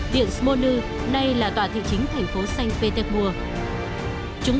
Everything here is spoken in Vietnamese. điện smonu nay là tòa thị chính thành phố xanh petersburg